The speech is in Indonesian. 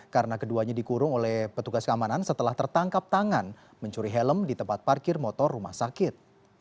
karena keduanya dikurung oleh petugas keamanan setelah tertangkap tangan mencuri helm di tempat parkir motor rumah sakit